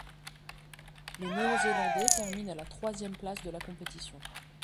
Les Néo-Zélandais terminent à la troisième place de la compétition.